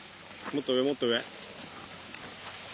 もっと上もっと上。